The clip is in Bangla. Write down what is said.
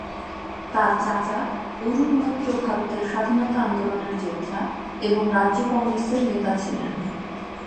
তার চাচা অরুণ মৈত্র ভারতের স্বাধীনতা আন্দোলনের যোদ্ধা এবং রাজ্য কংগ্রেসের নেতা ছিলেন।